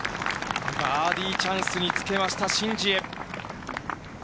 バーディーチャンスにつけました、シン・ジエ。